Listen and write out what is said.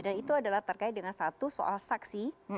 dan itu adalah terkait dengan satu soal saksi